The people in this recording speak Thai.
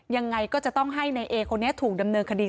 ยังไงก็จะต้องให้นายเอคนนี้ถูกดำเนินคดี